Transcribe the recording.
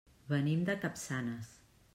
Venim de Capçanes.